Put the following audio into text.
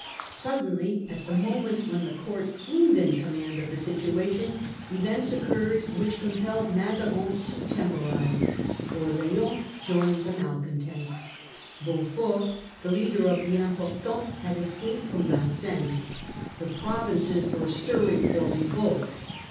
Suddenly, at the moment when the court seemed in command of the situation, events occurred which com The court pelled Mazarin to temporise. Orleans joined yields. the malcontents ; Beaufort, the leader of the « Importants,* had escaped from Vincennes ; the pro vinces were stirring for revolt.